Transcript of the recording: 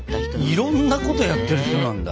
いろんなことやってる人なんだ。